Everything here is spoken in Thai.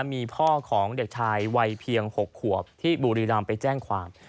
มีพ่อของเด็กชายวัยเพียง๖ขวบที่บุรีรำไปแจ้งความ